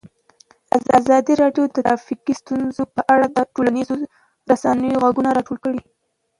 ازادي راډیو د ټرافیکي ستونزې په اړه د ټولنیزو رسنیو غبرګونونه راټول کړي.